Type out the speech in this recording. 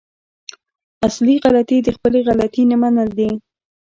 اصلي غلطي د خپلې غلطي نه منل دي.